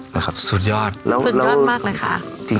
สุดยอดสุดยอดมากเลย